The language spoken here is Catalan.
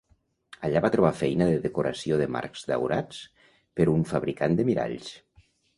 Allà va trobar feina de decoració de marcs daurats per un fabricant de miralls.